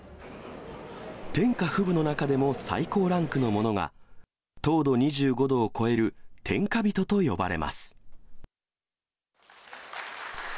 天下富舞の中でも最高ランクのものが、糖度２５度を超える天下人と呼ばれます。